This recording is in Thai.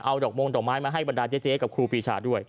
เอาดอกมงดอกไม้มาให้บรรดาเจ๊กับครูปีชาด้วย